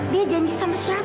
dia janji sama siapa